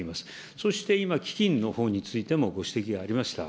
そして今、基金のほうについてもご指摘がありました。